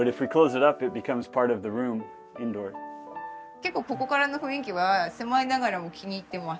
結構ここからの雰囲気は狭いながらも気に入ってます。